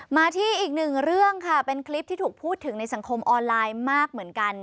มาที่อีกหนึ่งเรื่องค่ะเป็นคลิปที่ถูกพูดถึงในสังคมออนไลน์มากเหมือนกัน